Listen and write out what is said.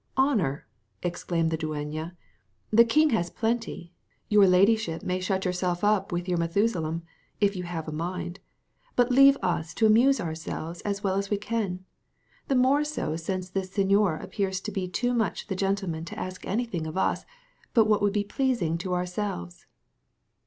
"Honour," exclaimed the dueña; "the king has plenty. Your ladyship may shut yourself up with your Methusalem, if you have a mind, but leave us to amuse ourselves as well as we can; the more so since this señor appears to be too much the gentleman to ask anything of us but what would be pleasing to ourselves."